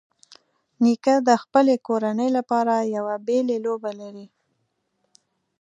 نیکه د خپلې کورنۍ لپاره یو بېلې لوبه لري.